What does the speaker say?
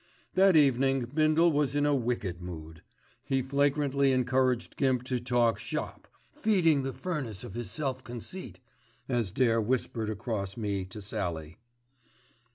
That evening Bindle was in a wicked mood. He flagrantly encouraged Gimp to talk "shop," "feeding the furnace of his self conceit," as Dare whispered across me to Sallie.